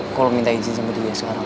kalau minta izin sama dia sekarang